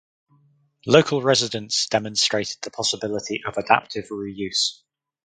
Local residents demonstrated the possibility of adaptive reuse.